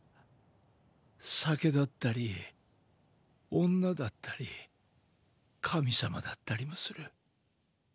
酒だったり女だったり神様だったりもする。